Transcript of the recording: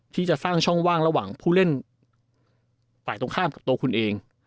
ที่จะสร้างช่องว่างระหว่างผู้เล่นฝ่ายตรงข้ามกับตัวคุณเอง